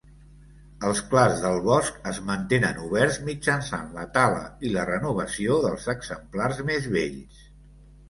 Els clars del bosc es mantenen oberts mitjançant la tala i la renovació dels exemplars més vells.